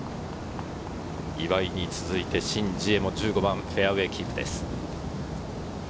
岩井に続いてシン・ジエも１５番、フェアウエーキープです。